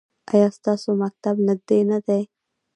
ایا ستاسو مکتب نږدې نه دی؟